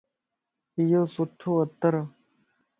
ايو سھڻو عطرَ